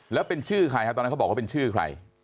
แล้วเป็นชื่อใครครับตอนนั้นเขาบอกว่าเป็นชื่อใคร